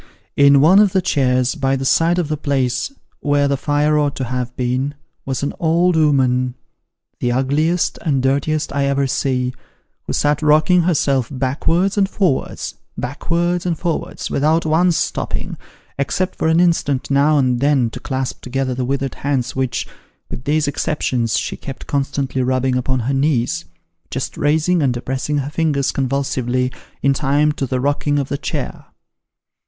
In one of the chairs, by the side of the place where the fire ought to have been, was an old 'ooman the ugliest and dirtiest I ever see The Dark Side of t/ie Picture. 23 who sat rocking herself backwards and forwards, backwards and forwards, without once stopping, except for an instant now and then, to clasp together the withered hands which, with these exceptions, she kept constantly rubbing upon her knees, just raising and depressing her fingers convulsively, in time to the rocking of the chair.